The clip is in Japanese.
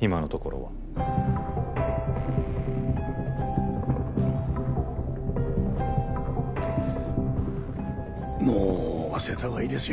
今のところはもう忘れた方がいいですよ